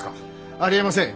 ありえません。